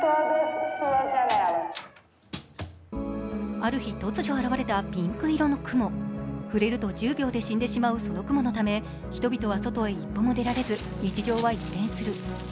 ある日、突如現れたピンク色の雲触れると１０秒で死んでしまうその雲のため、人々は外へ一歩も出られず日常は一変する。